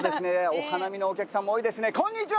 お花見のお客さんも多いですね。